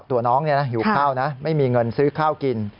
ตัวน้องหิวข้าวนะไม่มีเงินซื้อข้าวกิน